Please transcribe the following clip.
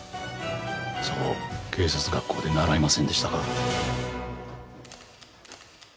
そう警察学校で習いませんでしたか？